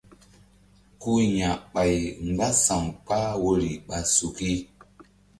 Ku ya̧ ɓay mgbása̧w kpah woyri ɓa suki.